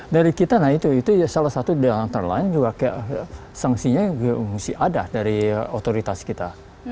dari kita nah itu salah satu diantara lain juga sanksinya mesti ada dari otoritas kita